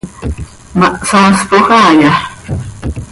¿Ma hsaaspoj haaya?